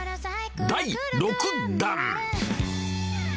第６弾。